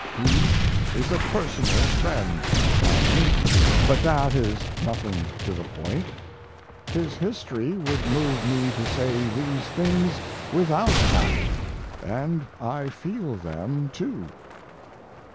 He is a personal friend of mine, but that is nothing to the point; his history would move me to say these things without that, and I feel them, too.